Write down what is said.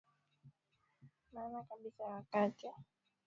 maana kabisa ya wakati Ikiwa watasema watakachofanya kesho